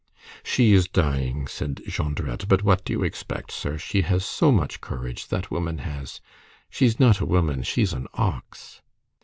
"She is dying," said Jondrette. "But what do you expect, sir! She has so much courage, that woman has! She's not a woman, she's an ox."